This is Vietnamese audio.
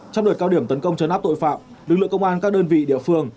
trong đợt cao điểm tấn công chấn áp tội phạm lực lượng công an các đơn vị địa phương